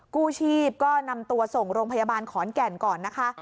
กู้ชีพก็นำตัวส่งโรงพยาบาลขอนแก่นก่อนนะคะ